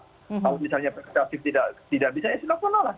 kalau misalnya persidangan tidak bisa ya silahkan lah